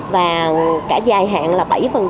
và cả dài hạn là bảy